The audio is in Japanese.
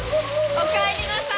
おかえりなさい。